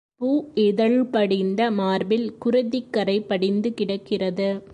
பூ இதழ் படிந்த மார்பில் குருதிக் கறை படிந்து கிடக்கிறது.